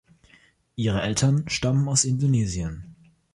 Ihre Eltern stammen aus Indonesien.